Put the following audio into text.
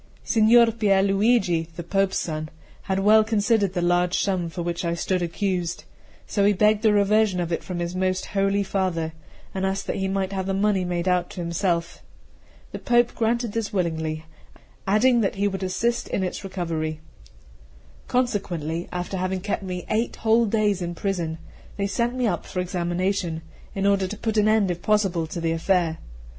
CII SIGNOR PIER LUIGI, the Pope's son, had well considered the large sum for which I stood accused; so he begged the reversion of it from his most holy father, and asked that he might have the money made out to himself. The Pope granted this willingly, adding that he would assist in its recovery. Consequently, after having kept me eight whole days in prison, they sent me up for examination, in order to put an end if possible to the affair.